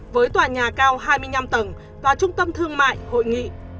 với tòa nhà cao hai mươi năm tầng và trung tâm thương mại hội nghị